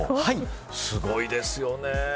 すごいですよね。